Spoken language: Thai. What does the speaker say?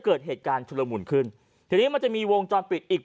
เกิดเหตุการณ์ชุลมุนขึ้นทีนี้มันจะมีวงจรปิดอีก